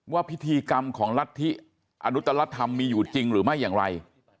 พิธีกรรมของรัฐธิอนุตรธรรมมีอยู่จริงหรือไม่อย่างไร